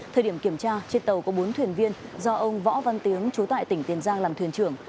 thời điểm kiểm tra trên tàu có bốn thuyền viên do ông võ văn tiếng trú tại tỉnh tiền giang làm thuyền trưởng